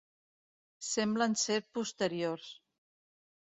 Semblen ser posteriors.